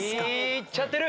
いっちゃってる！